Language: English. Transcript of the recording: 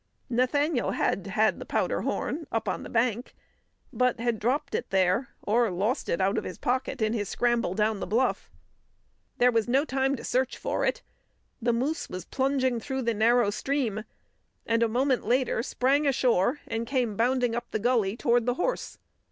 Nathaniel had had the powder horn up on the bank, but had dropped it there, or lost it out of his pocket in his scramble down the bluff. There was no time to search for it. The moose was plunging through the narrow stream, and a moment later sprang ashore and came bounding up the gully toward the horse.